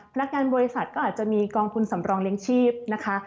นักการบริษัทก็อาจจะมีกองทุนสำรองเลี้ยงชีพนะคะ